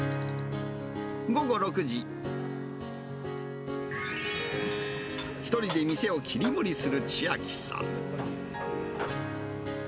午後６時、１人で店を切り盛りする千秋さん。